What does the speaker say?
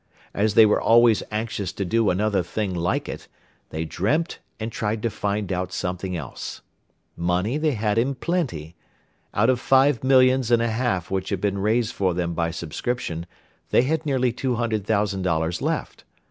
As they were always anxious to do another thing like it, they dreamt and tried to find out something else. Money they had in plenty. Out of five millions and a half which had been raised for them by subscription they had nearly $200,000 left.